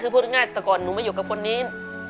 มาอยู่กับคนนี้